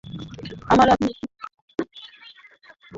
আরে, আপনার থেকে টাকা নেবো?